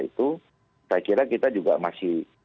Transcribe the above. itu saya kira kita juga masih